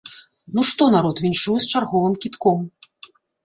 Ну што, народ, віншую з чарговым кідком.